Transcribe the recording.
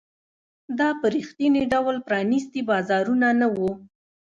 دا په رښتیني ډول پرانیستي بازارونه نه وو.